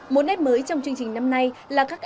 một nét mới trong chương trình năm nay là các trò chơi